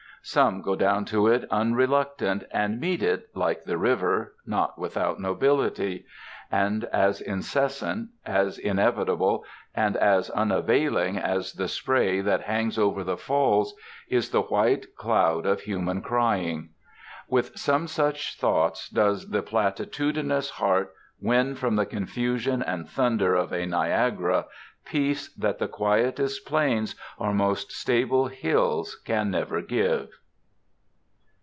Some go down to it unreluctant, and meet it, like the river, not without nobility. And as incessant, as inevitable, and as unavailing as the spray that hangs over the Falls, is the white cloud of human crying.... With some such thoughts does the platitudinous heart win from the confusion and thunder of a Niagara peace that the quietest plains or most stable hills can never give.